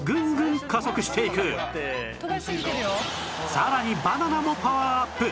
さらにバナナもパワーアップ